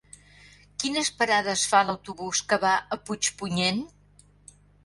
Quines parades fa l'autobús que va a Puigpunyent?